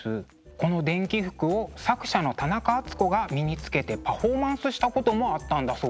この電気服を作者の田中敦子が身につけてパフォーマンスしたこともあったんだそうです。